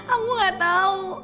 aku gak tau